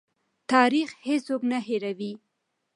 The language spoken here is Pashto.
تاریخ هېڅوک نه هېروي.